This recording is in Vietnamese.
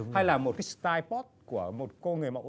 hay là một cái style post của một cô nghề mẫu